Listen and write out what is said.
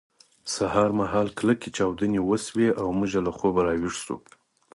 سهار مهال کلکې چاودنې وشوې او موږ له خوبه راویښ شوو